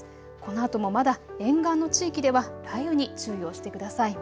このあともまだ沿岸の地域では雷雨に注意をしてください。